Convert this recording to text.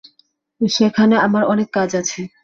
সেখানে আমার অনেক কাজ আছে।